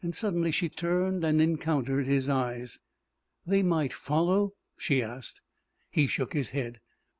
Suddenly she turned, and encountered his eyes. "They might follow?" she asked. He shook his head.